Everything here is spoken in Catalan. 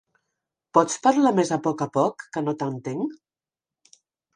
Pots parlar més a poc a poc, que no t'entenc?